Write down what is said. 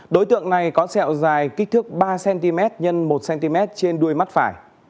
đối tượng này có sẹo dài kích thước ba cm x một cm trên đuôi mắt phải